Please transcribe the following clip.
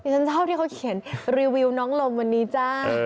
ฉันชอบที่เขาเขียนรีวิวน้องลมวันนี้จ้า